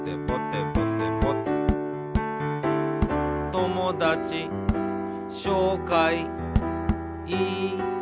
「ともだちしょうかいいたします」